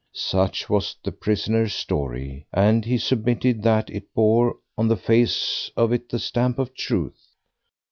Such was the prisoner's story, and he submitted that it bore on the face of it the stamp of truth.